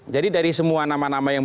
jadi dari semua nama nama yang